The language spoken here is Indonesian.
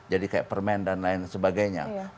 kayak permen dan lain sebagainya